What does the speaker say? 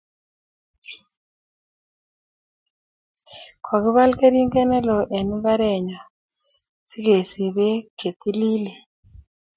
Kokipol keringet ne loo eng' imbarennyo sikesich pek che tililen